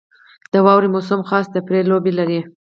• د واورې موسم خاص تفریحي لوبې لري.